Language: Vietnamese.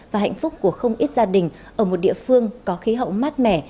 và hạnh phúc của không ít gia đình ở một địa phương có khí hậu mát mẻ